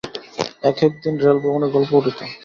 এক এক দিন রেলভ্রমণের গল্প উঠিত।